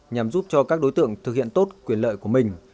nhằm giúp cho các đối tượng thực hiện tốt quyền lợi của mình